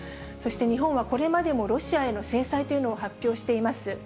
そして日本はこれまでも、ロシアへの制裁というのを発表しています。